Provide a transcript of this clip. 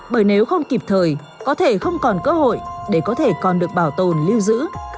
bởi nếu không kịp thời có thể không còn cơ hội để có thể còn được bảo tồn lưu giữ